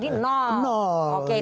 oke itu menurut mbak nurdin